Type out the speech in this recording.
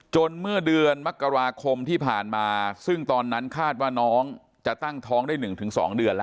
เมื่อเดือนมกราคมที่ผ่านมาซึ่งตอนนั้นคาดว่าน้องจะตั้งท้องได้๑๒เดือนแล้ว